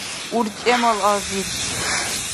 урчӀемал азир